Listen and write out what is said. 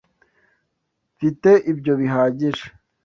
Mfite ibyo bihagije.